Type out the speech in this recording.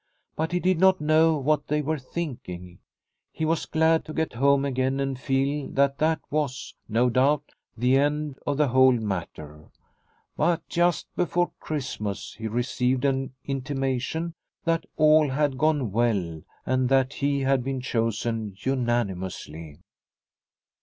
But he did not know what they were thinking. He was glad to get home again and feel that that was, no doubt, the end of the whole matter. But just before Christmas he received an intimation that all had gone well and that he had been chosen unanimously.